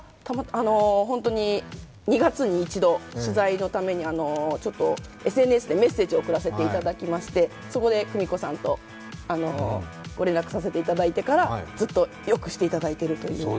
本当に２月に１度取材のためにちょっとＳＮＳでメッセージを送らせていただきましてそこで久美子さんとご連絡させていただいてからずっとよくしていただいているという。